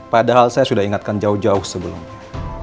padahal saya sudah ingatkan jauh jauh sebelumnya